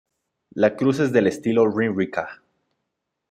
La cruz es del estilo Ringerike.